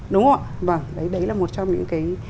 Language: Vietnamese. đúng không ạ đấy là một trong những cái